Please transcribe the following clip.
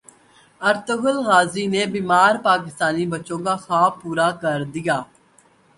Ertugrul Ghazi نے بیمار پاکستانی بچوں کا خواب پورا کردیا